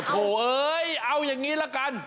โอ้โหเอ้ยเอาอย่างนี้ละกัน